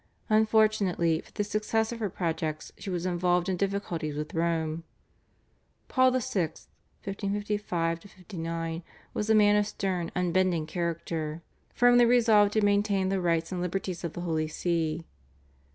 Unfortunately for the success of her projects she was involved in difficulties with Rome. Paul IV. (1555 59) was a man of stern, unbending character, firmly resolved to maintain the rights and liberties of the Holy See.